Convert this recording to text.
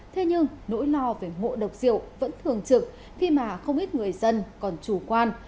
thế nhưng nỗi lo về ngộ độc rượu vẫn thường trực khi mà không ít người dân còn chủ quan